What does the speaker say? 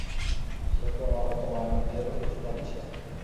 সে ক্রমাগত মানুষদের উস্কাচ্ছে!